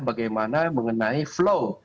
bagaimana mengenai flow